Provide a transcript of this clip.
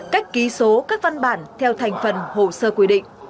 cách ký số các văn bản theo thành phần hồ sơ quy định